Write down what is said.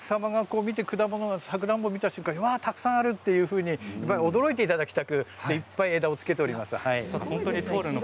お客様が見て果物かさくらんぼを見た瞬間はたくさんあるというふうに驚いていただきたくいっぱい枝をつけております。